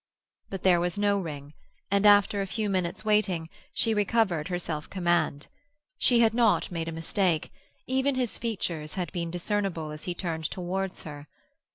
But there was no ring, and after a few minutes' waiting she recovered her self command. She had not made a mistake; even his features had been discernible as he turned towards her.